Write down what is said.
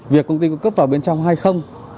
việc công ty có cấp vào bên trong hay không